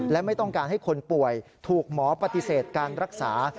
และไม่ต้องการให้คนป่วยถูกหมอปฏิเสธการรักษา